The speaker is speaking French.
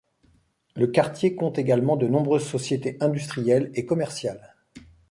Le quartier compte également de nombreuses sociétés industrielles et commerciales.